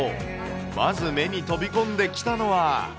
まず目に飛び込んできたのは。